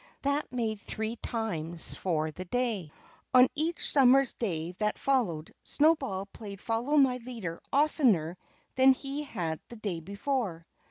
That made three times for the day. On each summer's day that followed Snowball played Follow My Leader oftener than he had the day before.